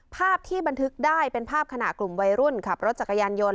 ภาพที่บันทึกได้เป็นภาพขณะกลุ่มวัยรุ่นขับรถจักรยานยนต์